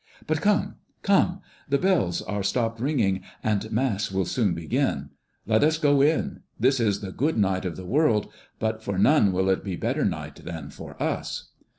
But come, come! the bells have stopped ringing; and Mass will soon begin. Let us go in. This is the good night of the world, but for none will it be a better night than for us."